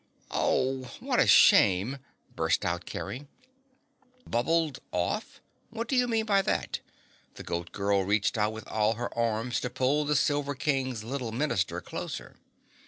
"Oh, what a shame!" burst out Kerry. "Bubbled off? What do you mean by that?" The Goat Girl reached out with all her arms to pull the Silver King's little Minister closer.